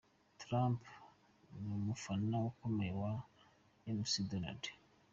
Trump ni umufana ukomeye wa McDonald.